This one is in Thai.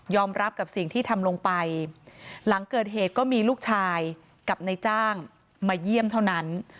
รับกับสิ่งที่ทำลงไปหลังเกิดเหตุก็มีลูกชายกับนายจ้างมาเยี่ยมเท่านั้น